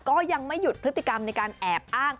ก็ยังไม่หยุดพฤติกรรมในการแอบอ้าง